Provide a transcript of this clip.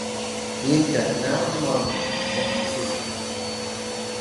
The Inca now demanded to be set free.